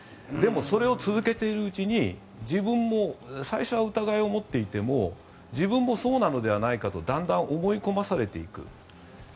でも、それを続けているうちに自分も最初は疑いを持っていても自分もそうなのではないかとだんだん思い込まされていく。